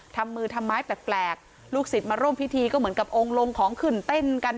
ทำมือทำไมแปลกลูกศิษย์มาร่วมพิธีก็เหมือนกับองค์ลงของขึ้นเต้นกัน